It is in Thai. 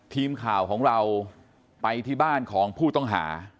ทีมข่าวของเราไปที่บ้านของผู้ต้องหา